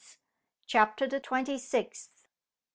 CHAPTER THE TWENTY SIXTH.